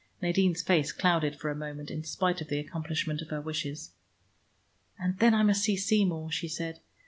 Nadine's face clouded for a moment, in spite of the accomplishment of her wishes. "And then I must see Seymour," she said.